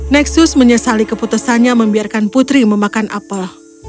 neksus menyesali keputusannya membiarkan putri memakan apel